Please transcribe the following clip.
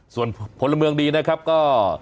ส่วนพลเมืองดีนะครับก็